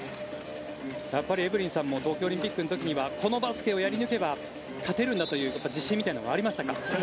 やっぱりエブリンさんも東京オリンピックの時にはこのバスケをやり抜けば勝てるんだみたいな自信みたいなのはありましたか。